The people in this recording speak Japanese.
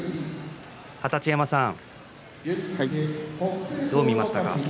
二十山さん、どう見ましたか？